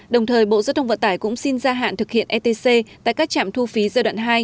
đồng thời bộ giao thông vận tải cũng xin gia hạn thực hiện etc tại các trạm thu phí giai đoạn hai